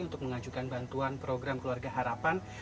untuk mengajukan bantuan program keluarga harapan